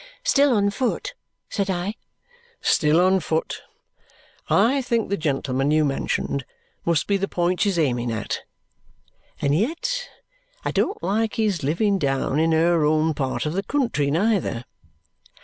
"Still on foot?" said I. "Still on foot. I think the gentleman you mentioned must be the point she's aiming at, and yet I don't like his living down in her own part of the country neither."